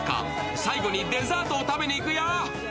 最後にデザートを食べに行くよ！